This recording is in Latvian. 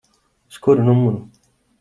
Uz kuru numuru?